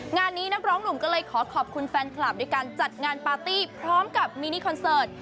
งานนี้นักร้องหนุ่มก็เลยขอขอบคุณแฟนคลับด้วยการจัดงานปาร์ตี้พร้อมกับมินิคอนเสิร์ต